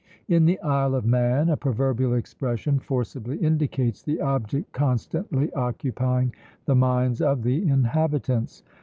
In the Isle of Man a proverbial expression forcibly indicates the object constantly occupying the minds of the inhabitants.